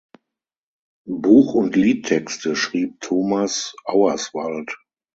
Buch und Liedtexte schrieb Thomas Auerswald.